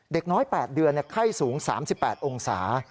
เด็กน้อย๘เดือนไข้สูง๓๘องศา